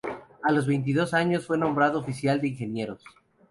A los veintidós años fue nombrado oficial de Ingenieros.